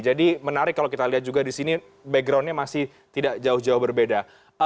jadi menarik kalau kita lihat juga di sini backgroundnya masih tidak jauh jauh berbeda